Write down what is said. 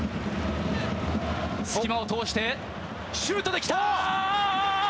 隙間を通してシュートで来た！